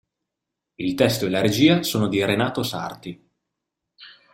Il testo e la regia sono di Renato Sarti.